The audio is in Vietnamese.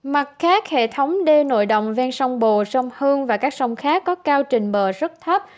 mặt khác hệ thống đê nội đồng ven sông bồ sông hương và các sông khác có cao trình bờ rất thấp